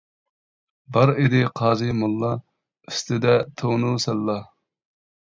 بار ئىدى قازى موللا، ئۈستىدە تونۇ سەللا.